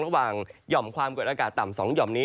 ระหว่างหย่อมความกดอากาศต่ำ๒ห่อมนี้